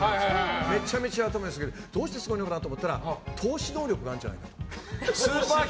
めちゃめちゃ頭いいんですけどどうしてそう思うんだろうなと思ったら透視能力があるんじゃないかと。